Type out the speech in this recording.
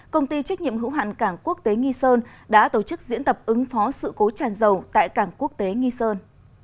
công ty trách nhiệm hữu hạn cảng quốc tế nghi sơn đã tổ chức diễn tập ứng phó sự cố tràn dầu tại cảng quốc tế nghi sơn